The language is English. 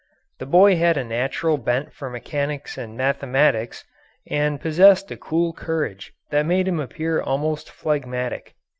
The boy had a natural bent for mechanics and mathematics, and possessed a cool courage that made him appear almost phlegmatic.